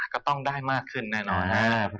ก็ต้องได้มากขึ้นแน่นอนครับ